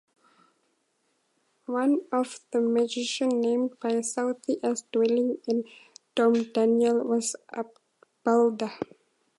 One of the magicians named by Southey as dwelling in Domdaniel was Adbaldar.